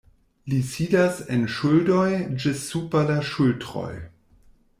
Li sidas en ŝuldoj ĝis super la ŝultroj.